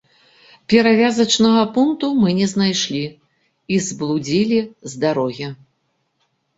Перавязачнага пункту мы не знайшлі і зблудзілі з дарогі.